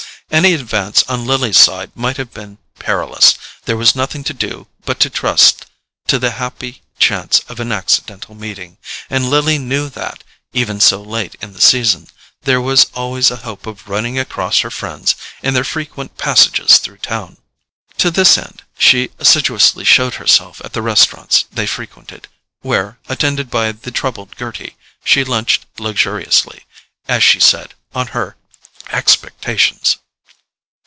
Any advance on Lily's side might have been perilous: there was nothing to do but to trust to the happy chance of an accidental meeting, and Lily knew that, even so late in the season, there was always a hope of running across her friends in their frequent passages through town. To this end she assiduously showed herself at the restaurants they frequented, where, attended by the troubled Gerty, she lunched luxuriously, as she said, on her expectations.